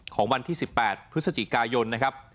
ของวันที่๑๘พฤศจิกายนนะครับ